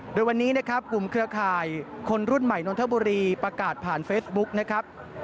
โดยวันนี้นะครับกลุ่มเครือข่ายคนรุ่นใหม่นนทบุรีประกาศผ่านเฟซบุ๊กนะครับ